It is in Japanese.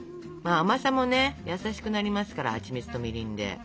甘さもね優しくなりますからはちみつとみりんで。